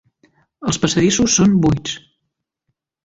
Els passadissos són buits.